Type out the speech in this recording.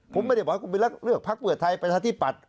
ผมไม่ได้บอกให้คุณไปเลือกพักเวิดไทยไปถ้าที่ปัด